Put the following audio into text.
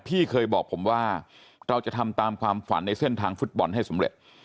พี่เคยบอกผมว่าเราจะทำตามความฝันในเส้นทางฟุตบอลให้สำเร็จ